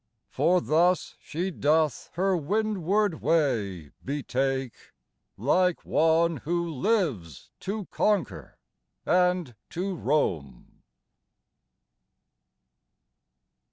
For thus she doth her windward way betake Like one who lives to conquer and to roam.